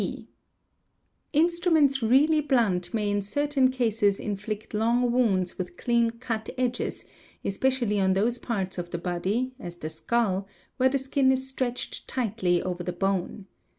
q (b) Instruments really blunt may in certain cases inflict lon, wounds with clean cut edges, especially on those parts of the body (@s_ the skull) where the skin is stretched tightly over the bone.